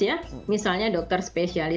ya misalnya dokter spesialis